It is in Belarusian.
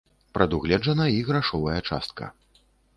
Прадугледжана і грашовая частка.